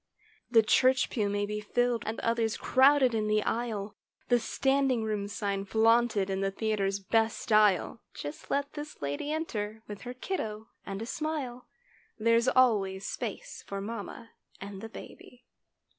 The church pew may be filled and others crowded in the aisle; The "standing room" sign flaunted in the theatre's best style; Just let this lady enter with her "kiddo" and a smile— There's always space for mamma and the baby.